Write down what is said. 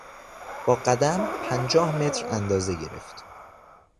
با قدم پنجاه متر اندازه گرفت.